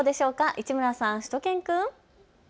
市村さん、しゅと犬くん。